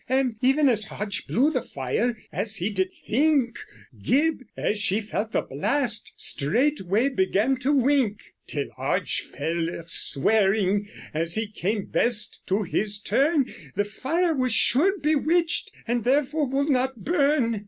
And, even as Hodge blew the fire, as he did thincke, Gyb, as she felt the blast, strayght way began to wyncke, Tyll Hodge fell of swering, as came best to his turne, The fier was sure bewicht, and therfore wold not burne.